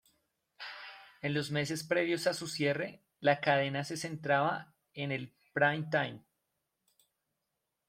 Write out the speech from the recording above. El los meses previos a su cierre, la cadena se centraba en el prime-time.